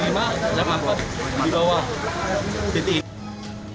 di bawah titik ini